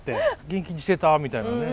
「元気にしてた？」みたいなね。